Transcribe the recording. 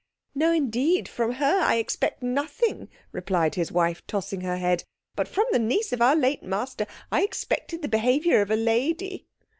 "No, indeed, from her I expect nothing," replied his wife, tossing her head, "but from the niece of our late master I expected the behaviour of a lady."